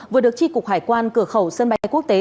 vừa được tri cục hải quan cửa khẩu sân bay quốc tế